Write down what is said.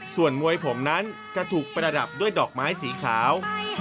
ส่วนมวยผมนั้นจะถูกประดับด้วยดอกไม้สีขาว